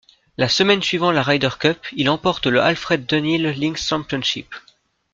La semaine suivant la Ryder Cup, il remporte le Alfred Dunhill Links Championship.